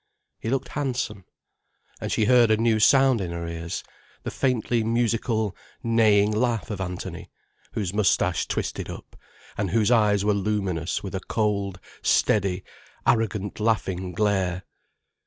He looked handsome. And she heard a new sound in her ears, the faintly musical, neighing laugh of Anthony, whose moustache twisted up, and whose eyes were luminous with a cold, steady, arrogant laughing glare.